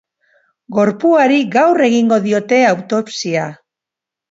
Gorpuari gaur egingo diote autopsia.